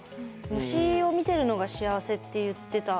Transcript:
「虫を見てるのが幸せ」って言ってた。